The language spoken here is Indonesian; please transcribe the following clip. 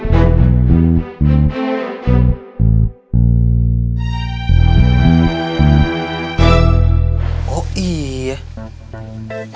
sampai jumpa di video selanjutnya